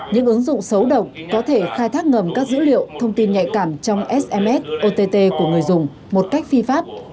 những ứng dụng xấu độc có thể khai thác ngầm các dữ liệu thông tin nhạy cảm trong sms ott của người dùng một cách phi pháp